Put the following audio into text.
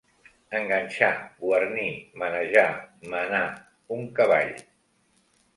Enganxar, guarnir, manejar, menar, un cavall.